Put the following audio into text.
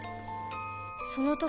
その時